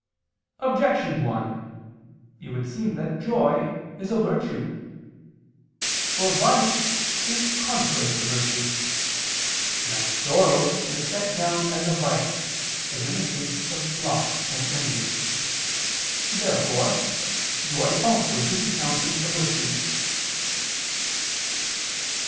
Objection 1: It would seem that joy is a virtue. For vice is contrary to virtue. Now sorrow is set down as a vice, as in the case of sloth and envy. Therefore joy also should be accounted a virtue.